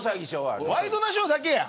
ワイドナショーだけや。